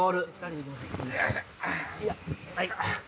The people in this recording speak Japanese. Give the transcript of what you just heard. はい。